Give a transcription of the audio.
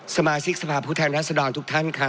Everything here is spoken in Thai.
สมาชิกสภาพผู้แทนรัศดรทุกท่านค่ะ